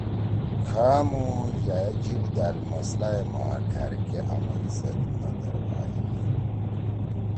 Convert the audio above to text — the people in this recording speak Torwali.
کھامُو یأ اے جیِب دأل مسئلہ ئے ما ڈھأرکے آمن سیت نہ دھربھائی۔